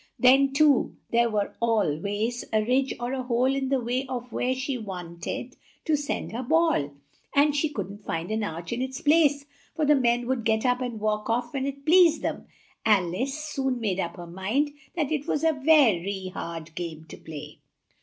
Then too there was al ways a ridge or a hole in the way of where she want ed to send her ball; and she couldn't find an arch in its place, for the men would get up and walk off when it pleased them. Al ice soon made up her mind that it was a ve ry hard game to play.